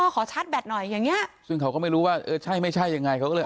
ขอชาร์จแบตหน่อยอย่างเงี้ยซึ่งเขาก็ไม่รู้ว่าเออใช่ไม่ใช่ยังไงเขาก็เลย